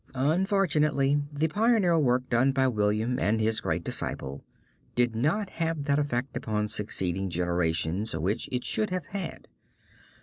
Unfortunately, the pioneer work done by William and his great disciple did not have that effect upon succeeding generations which it should have had.